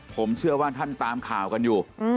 ผมเชื่อว่าท่านตามข่าวกันอยู่